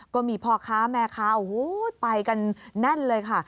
ก็มีพ่อค้าแม่ค้าโอ้โหไปกันแน่นเลยค่ะ